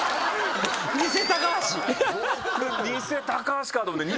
僕偽高橋かと思って。